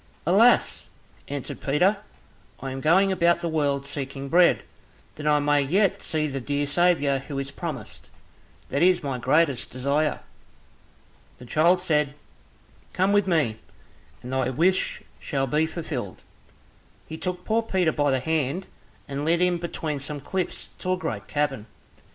"Alas!" answered Peter, "I am going about the world seeking bread, that I may yet see the dear Saviour who is promised, that is my greatest desire." The child said, "Come with me, and thy wish shall be fulfilled." He took poor Peter by the hand, and led him between some cliffs to a great cavern.